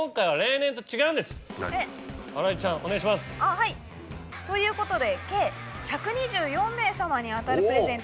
はいということで計１２４名様に当たるプレゼント